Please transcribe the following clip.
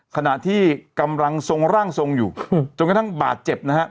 ขณะที่กำลังทรงร่างทรงอยู่จนกระทั่งบาดเจ็บนะฮะ